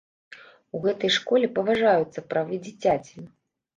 У гэтай школе паважаюцца правы дзіцяці.